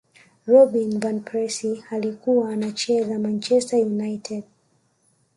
robin van persie alikuwa anacheza manchester united